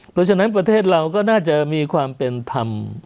เพราะฉะนั้นประเทศเราก็น่าจะมีความเป็นธรรม